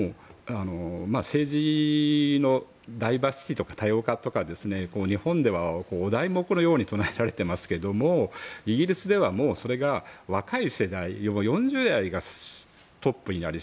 政治のダイバーシティーとか多様化とか日本ではお題目のように唱えられていますがイギリスではもうそれが若い世代、４０代がトップになる。